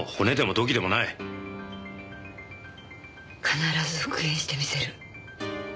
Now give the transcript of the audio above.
必ず復元してみせる。